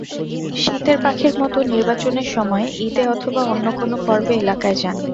শীতের পাখির মতো নির্বাচনের সময়, ঈদে অথবা অন্য কোনো পর্বে এলাকায় যান।